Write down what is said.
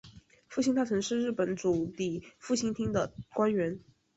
复兴大臣是日本主理复兴厅的官员。